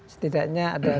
setidaknya ada dua hari